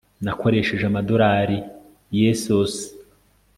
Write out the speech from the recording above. Nakoresheje amadorari yessoos